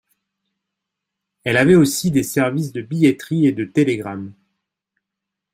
Elle avait aussi des services de billetterie et de télégramme.